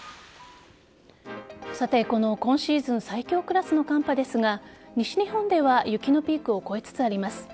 この今シーズン最強クラスの寒波ですが西日本では雪のピークを越えつつあります。